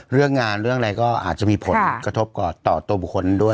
เรื่องงานเรื่องอะไรก็อาจจะมีผลกระทบต่อตัวบุคคลด้วย